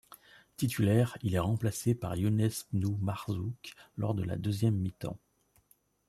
Titulaire, il est remplacé par Younès Bnou Marzouk lors de la deuxième mi-temps.